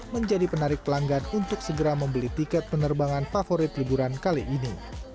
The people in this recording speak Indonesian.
menjadi penarik pelanggan untuk segera membeli tiket penerbangan favorit liburan kali ini